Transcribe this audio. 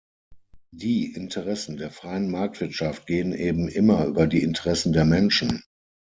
Die Interessen der freien Marktwirtschaft gehen eben immer über die Interessen der Menschen.